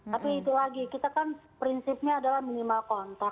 tapi itu lagi kita kan prinsipnya adalah menimakontak